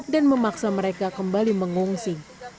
dan memaksa mereka kembali mengungsi